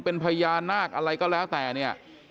เป็นพญานาคอะไรก็แล้วแต่เนี่ย